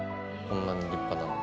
こんなに立派な。